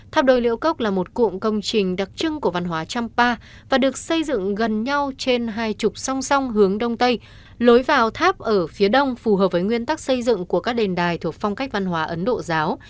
tháp đôi liễu cốc là một cụm công trình đặc trưng của văn hóa champa và được xây dựng gần nhau trên hai chục song song hướng đông tây lối vào tháp ở phía đông phù hợp với nguyên tắc xây dựng của các đền đài thuộc phong cách văn hóa ấn độ giáo